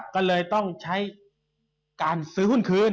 ก็เลยต้องใช้การซื้อหุ้นคืน